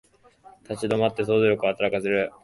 立ち止まって想像力を働かせる